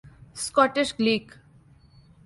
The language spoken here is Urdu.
Scottish Gaelic